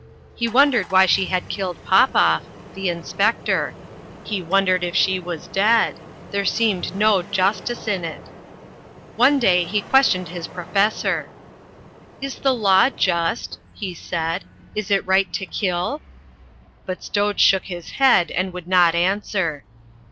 He wondered why she had killed Popoff, the inspector. He wondered if she was dead. There seemed no justice in it. One day he questioned his professor. "Is the law just?" he said. "Is it right to kill?" But Stoj shook his head, and would not answer.